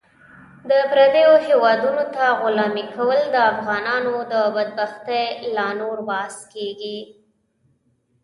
د پردیو هیوادونو ته غلامي کول د افغانانو د بدبختۍ لا نور باعث کیږي .